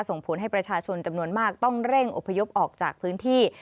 ส่งผลให้ประชาชนจำนวนมากต้องเร่งอพยพออกจากพื้นที่